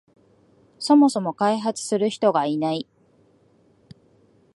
そもそも開発する人がいない